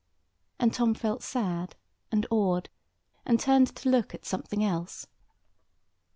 And Tom felt sad, and awed, and turned to look at something else.